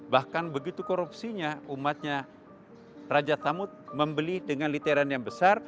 bahkan begitu korupsinya umatnya raja samud membeli dengan literan yang besar